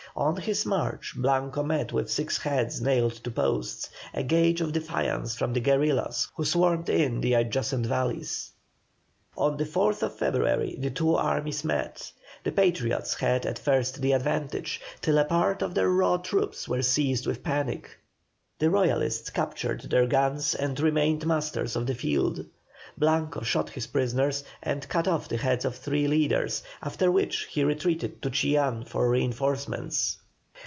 On his march Blanco met with six heads nailed to posts, a gage of defiance from the guerillas who swarmed in the adjacent valleys. On the 4th February the two armies met. The Patriots had at first the advantage, till a part of their raw troops were seized with panic; the Royalists captured their guns and remained masters of the field. Blanco shot his prisoners, and cut off the heads of three leaders, after which he retreated to Chillán for reinforcements.